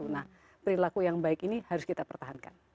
nah perilaku yang baik ini harus kita pertahankan